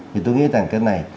thì tôi nghĩ rằng cái này